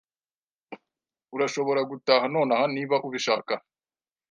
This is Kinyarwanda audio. Urashobora gutaha nonaha niba ubishaka.